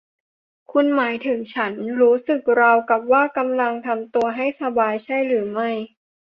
คุณหมายถึงฉันรู้สึกราวกับว่ากำลังทำตัวให้สบายใช่หรือไม่